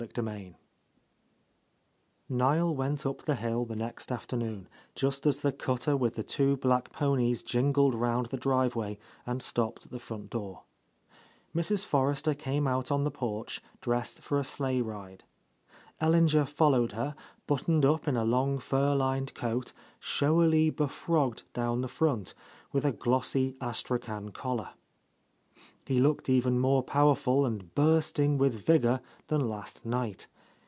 V N IEL went up the hill the next afternoon, just as the cutter with the two black ponies jingled round the driveway and stopped at the front door. Mrs. Forrester came out on the porch, dressed for a sleigh ride. El linger followed her, buttoned up in a long fur lined coat, showily befrogged down the front, with a glossy astrachan collar. He looked even more powerful and bursting with vigour than last night.